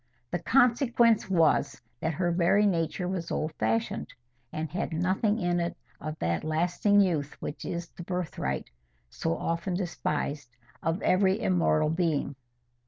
The consequence was that her very nature was old fashioned, and had nothing in it of that lasting youth which is the birthright—so often despised—of every immortal being.